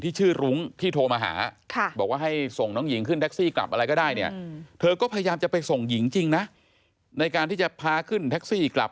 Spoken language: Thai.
เธอก็พยายามจะไปส่งหญิงจริงนะในการที่จะพาขึ้นแท็กซี่กลับ